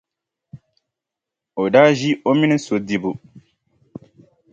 O daa ʒi o mini so dibu.